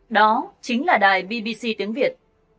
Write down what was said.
đó chính là đài bbc tiếng việt